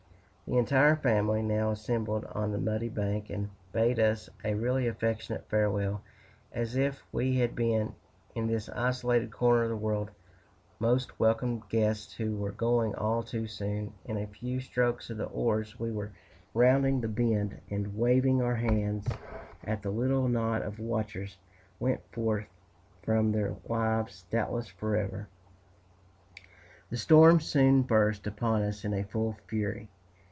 The entire family now assembled on the muddy bank, and bade us a really affectionate farewell, as if we had been, in this isolated corner of the world, most welcome guests who were going all too soon. In a few strokes of the oars we were rounding the bend; and waving our hands at the little knot of watchers, went forth from their lives, doubtless forever. The storm soon burst upon us in full fury.